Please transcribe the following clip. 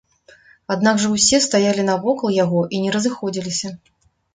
Аднак жа ўсе стаялі навокал яго і не разыходзіліся.